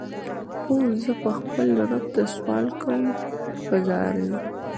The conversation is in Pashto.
خو زه به خپل رب ته سوال کوم په زاریو.